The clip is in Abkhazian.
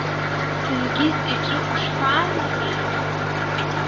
Ҭенгиз иҿы ушԥаанагеи?